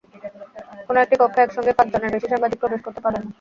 কোনো একটি কক্ষে একসঙ্গে পাঁচজনের বেশি সাংবাদিক প্রবেশ করতে পারবেন না।